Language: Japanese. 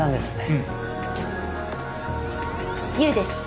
うん優です